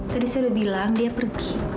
tadi saya udah bilang dia pergi